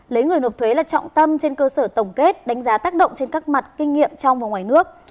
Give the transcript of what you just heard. lấy người nộp thuế là trọng tâm trên cơ sở tổng kết đánh giá tác động trên các mặt kinh nghiệm trong và ngoài nước